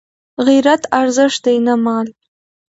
غیرت ارزښت دی نه مال